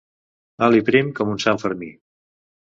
Alt i prim com sant Fermí.